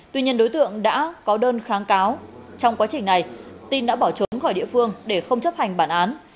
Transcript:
tuy nhiên đối tượng đã có đơn kháng cáo trong quá trình này tin đã bỏ trốn khỏi địa phương để không chấp hành bản án